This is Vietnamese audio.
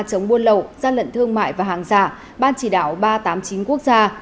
chống buôn lậu gian lận thương mại và hàng giả ban chỉ đạo ba trăm tám mươi chín quốc gia